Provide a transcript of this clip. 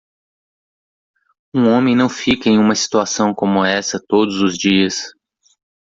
Um homem não fica em uma situação como essa todos os dias.